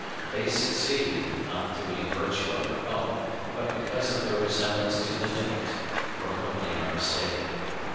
They succeed, not through any virtue of their own, but because of their resemblance to the mimicked, for whom they are mistaken.